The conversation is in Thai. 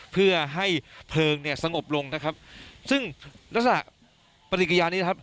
เพื่อให้เพลิงสงบลงนะครับซึ่งรัฐศาสตร์ปฏิกิริยานี้นะครับ